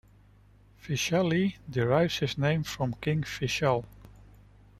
Vaishali derives its name from King Vishal.